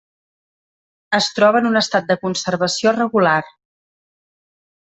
Es troba en un estat de conservació regular.